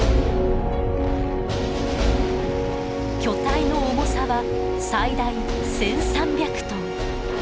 巨体の重さは最大１，３００トン。